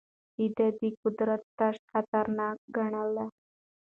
ده د قدرت تشه خطرناکه ګڼله.